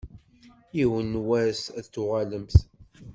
Yiwen n wass ad d-tuɣalemt.